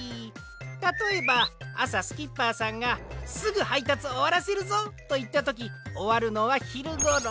たとえばあさスキッパーさんが「すぐはいたつおわらせるぞ」といったときおわるのはひるごろ。